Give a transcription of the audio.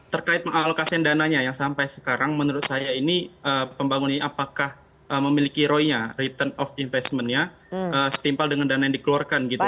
terkait mengalokasikan dananya yang sampai sekarang menurut saya ini pembangunan ini apakah memiliki roy nya return of investment nya setimpal dengan dana yang dikeluarkan gitu